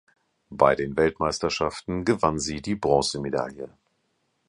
Bei den Weltmeisterschaften gewann sie die Bronzemedaille.